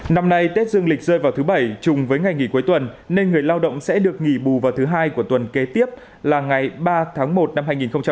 năm nay tết dương lịch rơi vào thứ bảy chung với ngày nghỉ cuối tuần nên người lao động sẽ được nghỉ bù vào thứ hai của tuần kế tiếp là ngày ba tháng một năm hai nghìn hai mươi